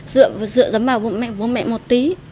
dựa dấm vào bố mẹ một tí